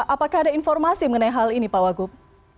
apakah ada informasi mengenai hal ini pak wagub